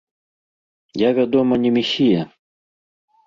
Я, вядома, не месія.